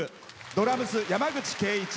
ドラムス、山口圭一。